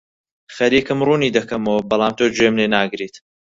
خەریکم ڕوونی دەکەمەوە، بەڵام تۆ گوێم لێ ناگریت.